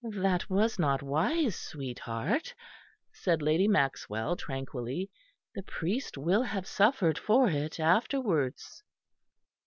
"That was not wise, sweetheart," said Lady Maxwell tranquilly, "the priest will have suffered for it afterwards."